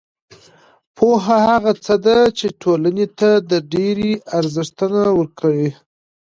پوهه هغه څه ده چې ټولنې ته د ډېری ارزښتونه ورکوي.